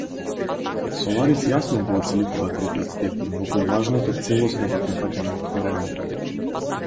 Соларис јасно го отсликува третиот степен, во кој лажното целосно го прифаќаме како реално.